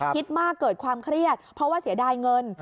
คิดมากเกิดความเครียดเพราะว่าเสียดายเงิน